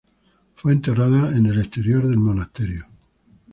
Fue enterrada en el exterior del monasterio.